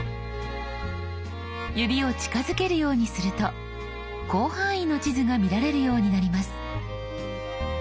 指を近づけるようにすると広範囲の地図が見られるようになります。